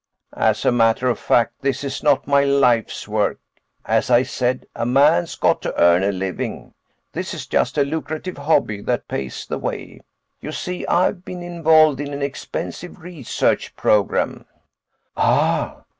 "As a matter of fact, this is not my life's work. As I said, a man's got to earn a living. This is just a lucrative hobby that pays the way. You see, I've been involved in an expensive research program." "Ah."